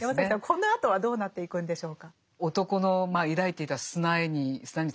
このあとはどうなっていくんでしょうか？